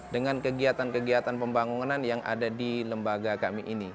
dengan kegiatan kegiatan pembangunan yang ada di lembaga kami ini